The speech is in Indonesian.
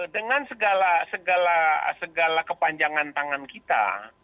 dengan segala kepanjangan tangan kita